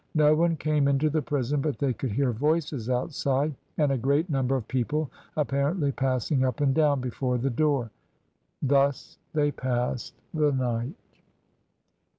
No one came into the prison, but they could hear voices outside and a great number of people apparently passing up and down before the door. Thus they passed the night.